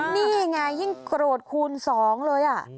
นี่ไงยิ่งโกรธคูณสองเลย